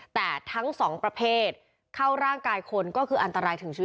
แต่ทั้งสองประเภทเข้าร่างกายคนก็คืออันตรายถึงชีวิต